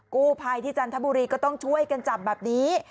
กู้ภัยที่จันทบุรีก็ต้องช่วยกันจับแบบนี้